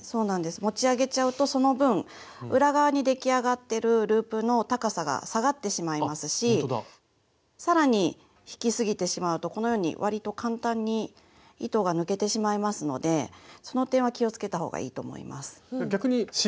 持ち上げちゃうとその分裏側に出来上がってるループの高さが下がってしまいますし更に引きすぎてしまうとこのようにわりと簡単に糸が抜けてしまいますのでその点は気をつけたほうがいいと思います。